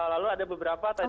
lalu ada beberapa